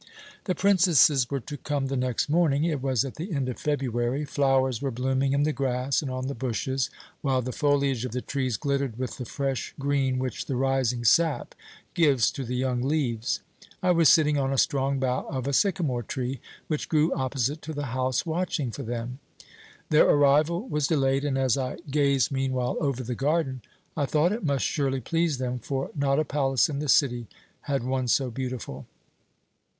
"The princesses were to come the next morning it was at the end of February flowers were blooming in the grass and on the bushes, while the foliage of the trees glittered with the fresh green which the rising sap gives to the young leaves. I was sitting on a strong bough of a sycamore tree, which grew opposite to the house, watching for them. Their arrival was delayed and, as I gazed meanwhile over the garden, I thought it must surely please them, for not a palace in the city had one so beautiful.